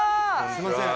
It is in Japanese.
すいません。